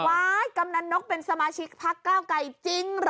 กำนันนกเป็นสมาชิกพักเก้าไก่จริงเหรอ